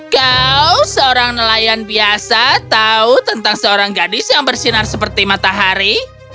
kau seorang nelayan biasa tahu tentang seorang gadis yang bersinar seperti matahari